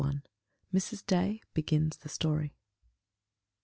MRS. DAY BEGINS THE STORY.